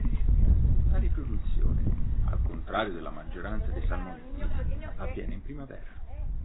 La riproduzione, al contrario della maggioranza dei salmonidi, avviene in primavera.